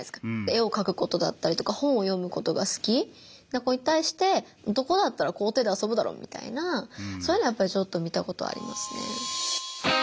絵を描くことだったりとか本を読むことが好きな子に対して男だったら校庭で遊ぶだろみたいなそういうのはやっぱりちょっと見たことありますね。